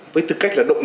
với tư cách là động lực